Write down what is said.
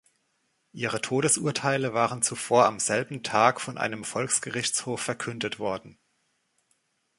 Ihre Todesurteile waren zuvor am selben Tag von einem Volksgerichtshof verkündet worden.